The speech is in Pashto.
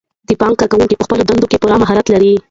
د بانک کارکوونکي په خپلو دندو کې پوره مهارت لري.